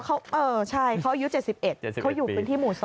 เออใช่เค้าอายุ๗๑เค้าอยู่เป็นที่หมู่๒